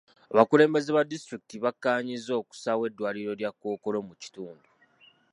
Abakulembeze ba disitulikiti bakkaanyizza okusaawo eddwaliro lya Kkookolo mu kitundu.